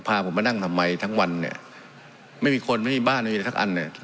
พาผมมานั่งทำไมทั้งวันเนี่ยไม่มีคนไม่มีบ้านไม่มีอะไรสักอันเนี่ย